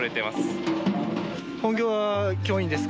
本業は教員です。